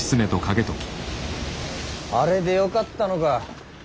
あれでよかったのか。